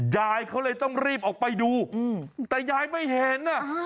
ยายเขาเลยต้องรีบออกไปดูแต่ยายไม่เห็น